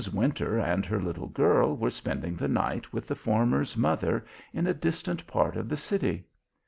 Winter and her little girl were spending the night with the former's mother in a distant part of the city.